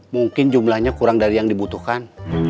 mungkin jumlahnya kurang dari yang dibutuhkan